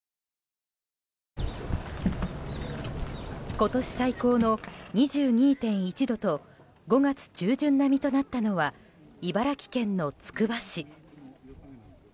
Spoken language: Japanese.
今年最高の２２．１度と５月中旬並みとなったのは茨城県のつくば市。